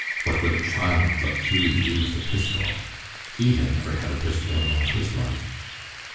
What would a child like Hughie do with a pistol? He had never had a pistol in all his life.